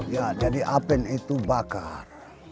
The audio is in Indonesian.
ya jadi apen itu bakar